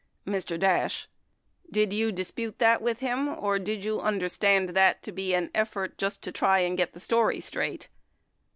Mr. Dash. Did you dispute that with him or did you under stand that to be an effort just to try to get the story straight?